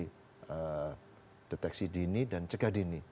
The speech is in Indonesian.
kita deteksi dini dan cegah dini